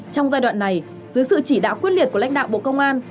trong giai đoạn này dưới sự chỉ đạo quyết liệt của lãnh đạo bộ công an